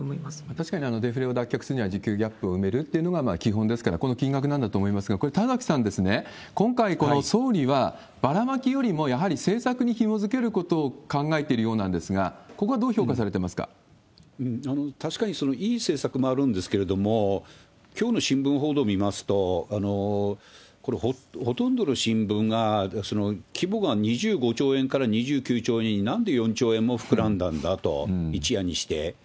確かにデフレを脱却するには需給ギャップを埋めるというのが基本ですから、この金額なんだと思いますが、これ、田崎さん、今回、総理はばらまきよりも、やはり政策にひもづけることを考えているようなんですが、ここは確かにいい政策もあるんですけれども、きょうの新聞報道を見ますと、これ、ほとんどの新聞が、規模が２５兆円から２９兆円に、なんで４兆円も膨らんだんだと、一夜にして。